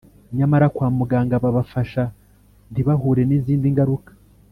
nyamara kwa muganga babafasha ntibahure n’izindi ngaruka